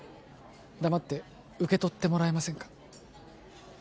黙って受け取ってもらえませんか？